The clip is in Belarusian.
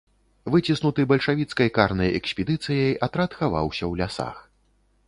Выціснуты бальшавіцкай карнай экспедыцыяй, атрад хаваўся ў лясах.